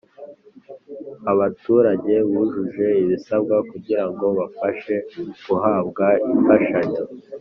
abaturage bujuje ibisabwa kugira ngo babafashe guhabwa imfashanyo